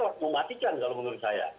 bahkan kelas mematikan kalau menurut saya